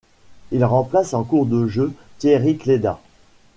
Il remplace en cours de jeu Thierry Cléda.